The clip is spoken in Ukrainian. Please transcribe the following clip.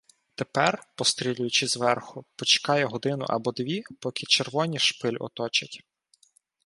Тепер, пострілюючи зверху, почекає годину або й дві, поки червоні шпиль оточать.